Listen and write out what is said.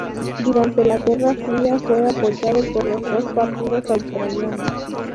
Durante la Guerra Fría fue apoyado por los dos partidos australianos.